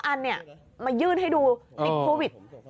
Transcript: ๓อันมายื่นให้ดูโควิด